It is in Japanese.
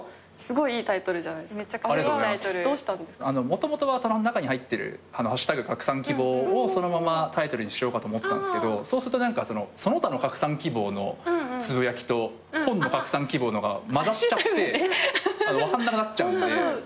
もともとは中に入ってる『＃拡散希望』をそのままタイトルにしようかと思ってたんですけどそうすると何かその他の拡散希望のつぶやきと本の「拡散希望」のが交ざっちゃって分かんなくなっちゃうんで。